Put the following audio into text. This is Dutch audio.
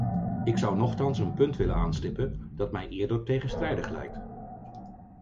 Ik zou nochtans een punt willen aanstippen dat mij eerder tegenstrijdig lijkt.